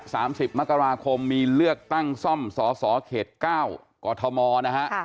สามสิบมกราคมมีเลือกตั้งซ่อมสอสอเขตเก้ากอทมนะฮะค่ะ